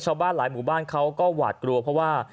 ชาวบ้านหลายหมู่บ้านเขาก็หวาดกลัวเพราะว่า